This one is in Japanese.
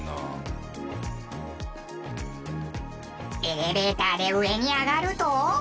エレベーターで上に上がると。